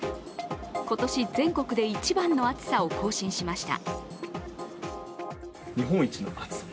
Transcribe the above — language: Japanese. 今年、全国で一番の暑さを更新しました。